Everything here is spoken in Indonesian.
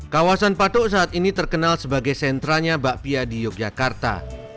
kawasan patok saat ini terkenal sebagai sentranya bakpia di yogyakarta